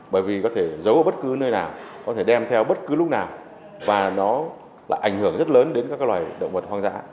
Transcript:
bởi vì có thể giấu ở bất cứ nơi nào có thể đem theo bất cứ lúc nào và nó lại ảnh hưởng rất lớn đến các loài động vật hoang dã